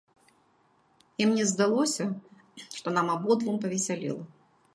І мне здалося, што нам абодвум павесялела.